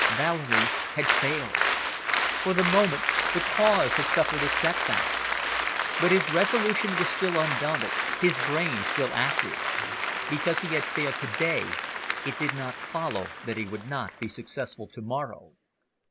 Valerie had failed. For the moment the Cause had suffered a set back. But his resolution was still undaunted, his brain still active. Because he had failed to day, it did not follow that he would not be successful to morrow.